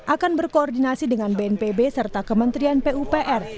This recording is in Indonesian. akan berkoordinasi dengan bnpb serta kementerian pupr